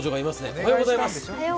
おはようございます。